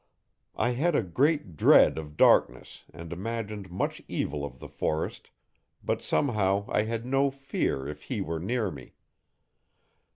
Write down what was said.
I had a great dread of darkness and imagined much evil of the forest, but somehow I had no fear if he were near me.